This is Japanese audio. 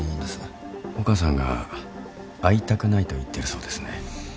お母さんが会いたくないと言ってるそうですね。